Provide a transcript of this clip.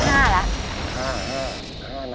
๕๕๒๕น้ำแล้ว